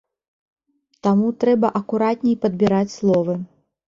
Таму трэба акуратней падбіраць словы.